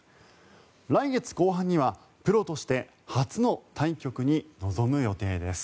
来月後半にはプロとして初の対局に臨む予定です。